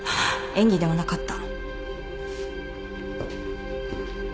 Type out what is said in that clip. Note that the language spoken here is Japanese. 演技ではなかった。